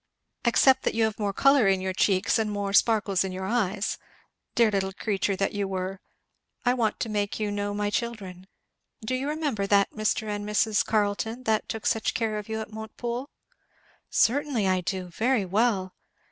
"Except that you have more colour in your cheeks and more sparkles in your eyes. Dear little creature that you were! I want to make you know my children. Do you remember that Mr. and Mrs. Carleton that took such care of you at Montepoole?" "Certainly I do! very well."